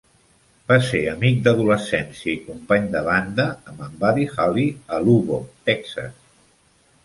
Va ser amic d'adolescència i company de banda amb en Buddy Holly a Lubbock, Texas.